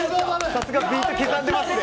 さすが、ビートを刻んでますね。